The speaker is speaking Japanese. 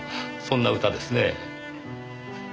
そんな歌ですね。